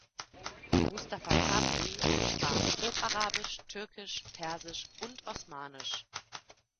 Mustafa Sabri sprach Hocharabisch, Türkisch, Persisch und Osmanisch.